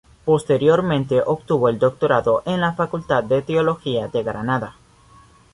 Posteriormente obtuvo el Doctorado en la Facultad de Teología de Granada.